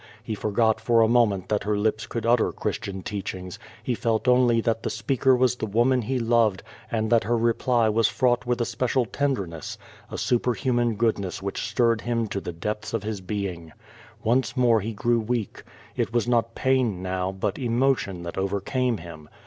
He forgot for a moment that her lips could utter Christian teachings, he felt only that the speaker was the woman he loved and that her reply was fraught with a special tenderness, a superhuman goodness which stirred him to the dei)ths of his being. Once more he grew weak. It was not pain now, but emotion that overcame him.